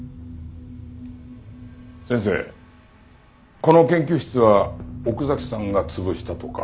先生この研究室は奥崎さんが潰したとか。